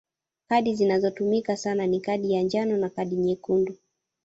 Kadi zinazotumika sana ni kadi ya njano na kadi nyekundu.